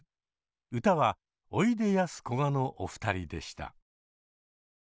歌はおいでやすこがのお二人でした。